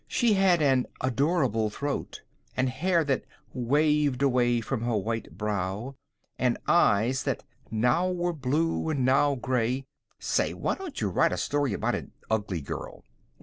She had an 'adorable throat' and hair that 'waved away from her white brow,' and eyes that 'now were blue and now gray.' Say, why don't you write a story about an ugly girl?"